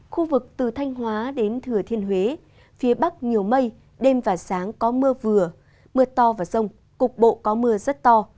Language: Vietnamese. khu vực từ thanh hóa đến thừa thiên huế phía bắc nhiều mây đêm và sáng có mưa vừa mưa to và rông cục bộ có mưa rất to